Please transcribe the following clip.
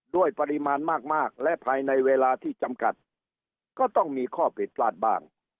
ด้วยปริมาณมากและภายในเวลาที่จำกัดก็ต้องมีข้อผิดพลาดบ้าง